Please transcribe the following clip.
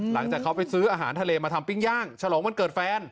หลังจากเขาไปซื้ออาหารทะเลมาทำปิ้งย่างฉลองวันเกิดแฟน